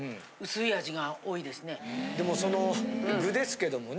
でもその具ですけどもね。